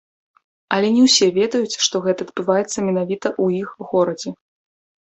Але не ўсе ведаюць, што гэта адбываецца менавіта ў іх горадзе.